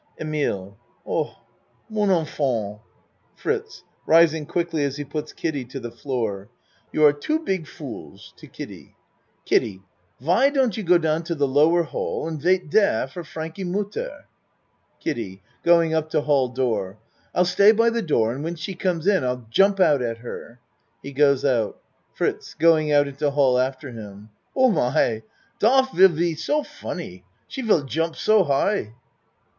EMILE Oh mon enfant! FRITZ (Rising quickly as he puts Kiddie to the ACT I 15 floor.) You are two big fools. (To Kiddie.) Kid die, why don't you go down to the lower hall and wait dere for Frankie mutter? KIDDIE (Going up to hall door.) I'll stay by the door and when she comes in, I'll jump out at her. (He goes out.) FRITZ (Going out into hall after him.) Oh my! Dot will be so funny! She will jump so high.